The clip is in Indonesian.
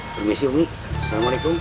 permisi umi assalamualaikum